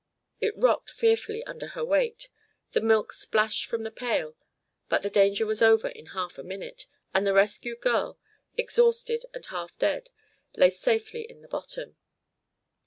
It rocked fearfully under her weight, the milk splashed from the pail, but the danger was over in half a minute, and the rescued girl, exhausted and half dead, lay safely on the bottom.